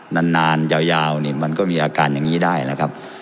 นานยาวนี่มันก็มีอาการอย่างนี้ได้นะครับ